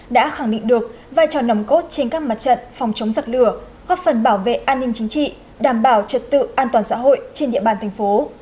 đã khẳng định được vai trò nằm cốt trên các mặt trận phòng chống giặc lửa góp phần bảo vệ an ninh chính trị đảm bảo trật tự an toàn xã hội trên địa bàn thành phố